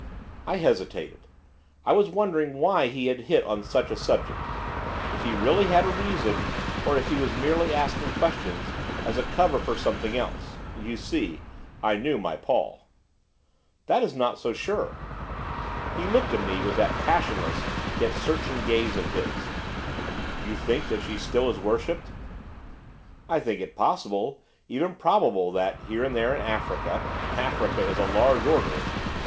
I hesitated, I was wondering why he had hit on such a subject; if he really had a reason, or if he was merely asking questions as a cover for something else, you see, I knew my Paul. 'That is not so sure.' He looked at me with that passionless, yet searching glance of his. 'You think that she still is worshipped?' 'I think it possible, even probable, that, here and there, in Africa Africa is a large order!